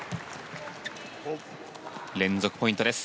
連続ポイントです。